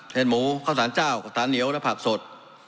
หมูข้าวสารเจ้าข้าวสารเหนียวและผักสด